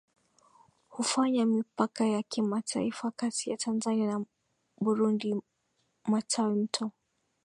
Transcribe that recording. hufanya mipaka ya kimataifa kati ya Tanzania na BurundiMatawimto